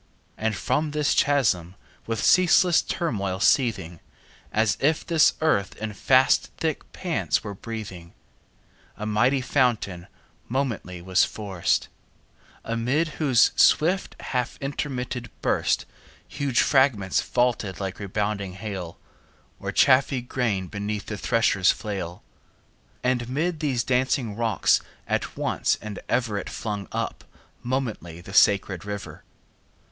And from this chasm, with ceaseless turmoil seething, As if this earth in fast thick pants were breathing, A mighty fountain momently was forced; Amid whose swift half intermitted burst 20 Huge fragments vaulted like rebounding hail, Or chaffy grain beneath the thresher's flail: And 'mid these dancing rocks at once and ever It flung up momently the sacred river.